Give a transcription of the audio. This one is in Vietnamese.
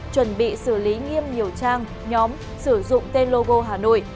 chuẩn bị xử lý nghiêm nhiều trang nhóm sử dụng tên logo hà nội